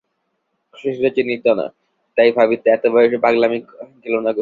শশী তো চিনিত না, তাই ভাবিত, এত বয়সে পাগলামি গেল না কুসুমের।